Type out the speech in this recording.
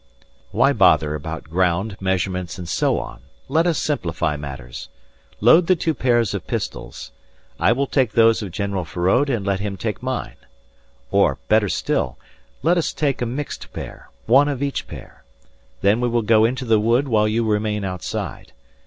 "Why bother about ground, measurements, and so on. Let us simplify matters. Load the two pairs of pistols. I will take those of General Feraud and let him take mine. Or, better still, let us take a mixed pair. One of each pair. Then we will go into the wood while you remain outside.